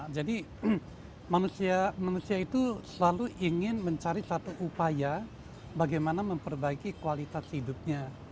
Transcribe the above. jadi manusia itu selalu ingin mencari satu upaya bagaimana memperbaiki kualitas hidupnya